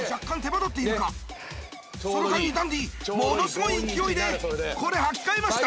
その間にダンディものすごい勢いで履き替えました。